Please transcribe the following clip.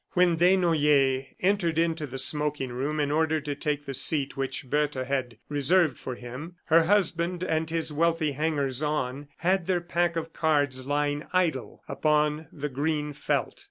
When Desnoyers entered into the smoking room in order to take the seat which Bertha had reserved for him, her husband and his wealthy hangers on had their pack of cards lying idle upon the green felt.